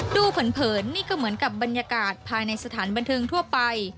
เผินนี่ก็เหมือนกับบรรยากาศภายในสถานบันเทิงทั่วไป